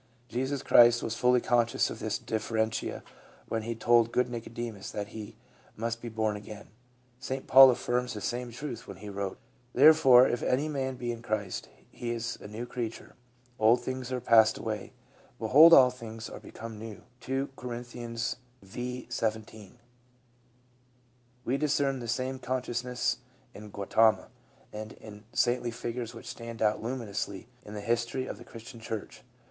Jesus Christ was fully conscious of this differentia when He told good Nicodemus that he must be born again. St. Paul af firmed the same truth when he wrote, '' Therefore if any man be in Christ, he is a new creature, old things are passed away; behold, all things are become new." — IICor.v:17. "We discern the same consciousness in Gautama, and in the saintly figures which stand out luminously in the history of the Christian church.